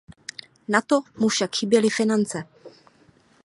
Na to mu však chyběly finance.